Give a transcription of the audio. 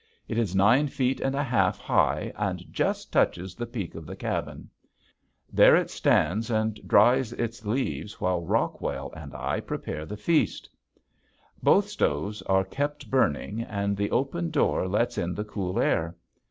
It is nine feet and a half high and just touches the peak of the cabin. There it stands and dries its leaves while Rockwell and I prepare the feast. [Illustration: SUPERMAN] Both stoves are kept burning and the open door lets in the cool air.